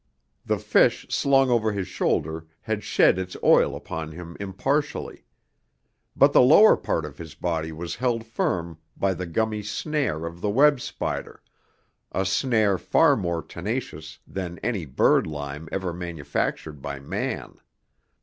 The fish slung over his shoulder had shed its oil upon him impartially. But the lower part of his body was held firm by the gummy snare of the web spider, a snare far more tenacious than any bird lime ever manufactured by man.